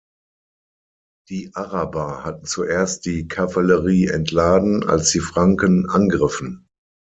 Die Araber hatten zuerst die Kavallerie entladen, als die Franken angriffen.